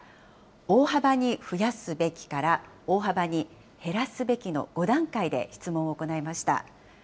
大幅に増やすべきから大幅に減らすべきの５段階で質問を行いました。